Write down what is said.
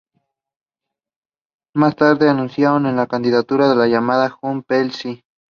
Más tarde anunciaron que la candidatura se llamaría Junts pel Sí.